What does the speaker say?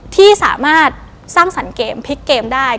ที่สามารถสร้างสรรค์เกมพลิกเกมได้